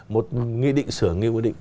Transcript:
một nghị định sửa nhiều nghị định